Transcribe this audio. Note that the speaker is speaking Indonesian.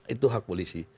itu hak polisi